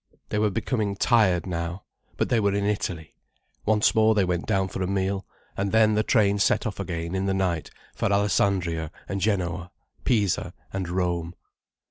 They were becoming tired now. But they were in Italy. Once more they went down for a meal. And then the train set off again in the night for Alessandria and Genoa, Pisa and Rome.